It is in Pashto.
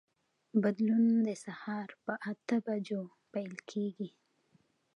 بدلون د سهار په اته بجو پیل کېږي.